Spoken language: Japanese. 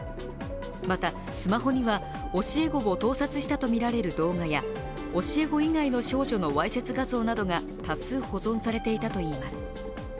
また、スマホには教え子も盗撮したとみられる動画や教え子以外の少女のわいせつ画像などが多数、保存されていたといいます。